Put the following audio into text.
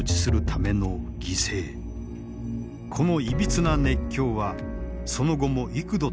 このいびつな熱狂はその後も幾度となく繰り返される。